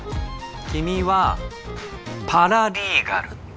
君はパラリーガル！